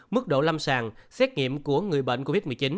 mức độ lâm sàng xét nghiệm của người bệnh covid một mươi chín